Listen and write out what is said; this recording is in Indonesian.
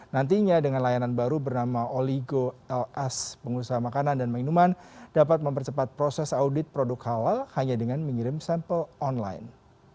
nantinya dengan layanan baru bernama oligo ls pengusaha makanan dan minuman dapat mempercepat proses audit produk halal hanya dengan mengirim sampel online